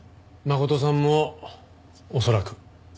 真琴さんも恐らく。